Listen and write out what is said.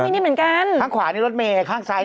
เขาไปเปิดดูอีกหรอ